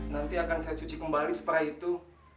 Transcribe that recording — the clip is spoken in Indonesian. nanti akan saya cuci kembali setelah itu